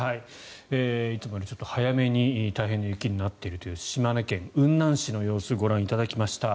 いつもよりちょっと早めに大変な雪になっているという島根県雲南市の様子をご覧いただきました。